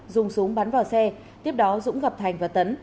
dùng súng bắn vào xe tiếp đó dũng gặp thành và tấn